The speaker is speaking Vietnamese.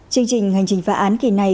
chương trình hành trình phá án kỳ này